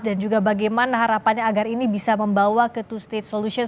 dan juga bagaimana harapannya agar ini bisa membawa ke solusi kedamaian